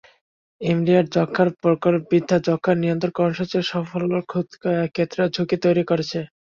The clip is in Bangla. এমডিআর যক্ষ্মার প্রকোপ বৃদ্ধি যক্ষ্মা নিয়ন্ত্রণ কর্মসূচির সাফল্যের ক্ষেত্রেও ঝুঁকি তৈরি করেছে।